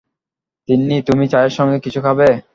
তিন্নি, তুমি চায়ের সঙ্গে কিছু খাবে?